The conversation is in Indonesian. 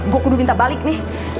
gue kudu minta balik nih